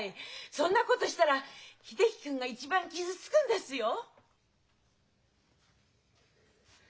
そんなことしたら秀樹君が一番傷つくんですよ！？